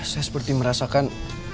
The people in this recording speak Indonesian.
saya seperti merasakan